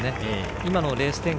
今のレース展開